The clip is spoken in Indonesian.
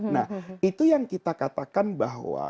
nah itu yang kita katakan bahwa